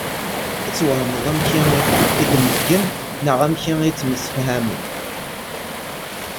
Ad twehmeḍ amek i d-mmezgen neɣ amek i ttemsefhamen.